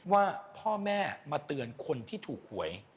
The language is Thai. ว่าพ่อแม่มาเตือนคนที่ถูกหวย